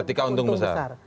ketika untung besar